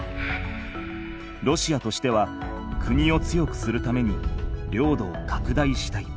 ロシアとしては国を強くするために領土をかくだいしたい。